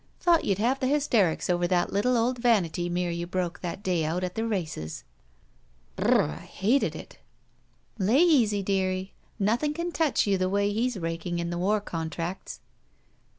Thought you'd have the hysterics over that little old vanity mirror you broke that day out at the races." 76 BACK PAY '•Br r r! I hated it." "Lay easy, dearie. Nothing can touch you the way he's raking in the war contracts."